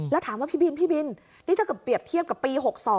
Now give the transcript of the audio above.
แล้วถามว่าพี่บินนี่ก็เกือบเปรียบเทียบกับปี๖๒